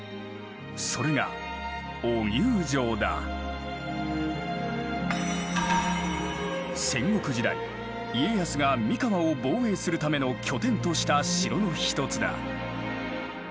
それが戦国時代家康が三河を防衛するための拠点とした城の一つだ。